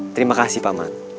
terima kasih pamat